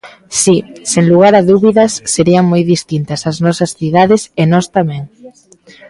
Si, sen lugar a dúbidas, serían moi distintas as nosas cidades e nós tamén.